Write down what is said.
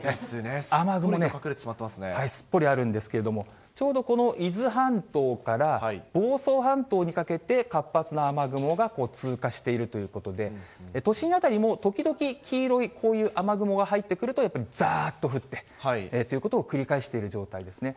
雨雲、すっぽりあるんですけれども、ちょうどこの伊豆半島から房総半島にかけて、活発な雨雲が通過しているということで、都心辺りも時々黄色いこういう雨雲が入ってくると、やっぱりざーっと降ってということを繰り返している状態ですね。